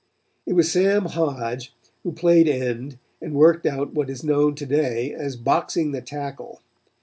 It was Sam Hodge, who played end and worked out what is known to day as boxing the tackle.